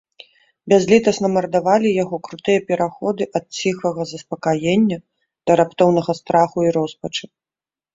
Бязлітасна мардавалі яго крутыя пераходы ад ціхага заспакаення да раптоўнага страху і роспачы.